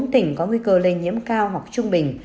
một mươi bốn tỉnh có nguy cơ lây nhiễm cao hoặc trung bình